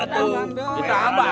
eh lu pengen napisan kan